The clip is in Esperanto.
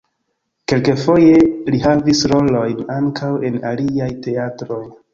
Kelkfoje li havis rolojn ankaŭ en aliaj teatroj.